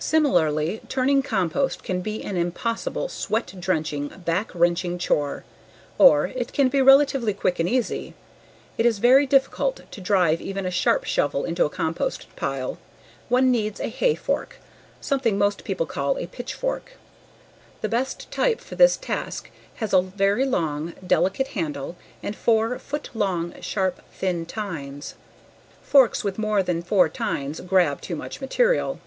Similarly, turning compost can be an impossible, sweat drenching, back wrenching chore, or it can be relatively quick and easy. It is very difficult to drive even a very sharp shovel into a compost pile. One needs a hay fork, something most people call a "pitchfork." The best type for this task has a very long, delicate handle and four, foot long, sharp, thin tines. Forks with more than four times grab too much material.